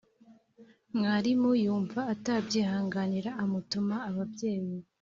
mwarimu yumva atabyihanganira amutuma ababyeyi.